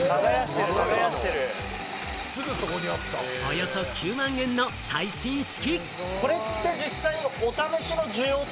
およそ９万円の最新式。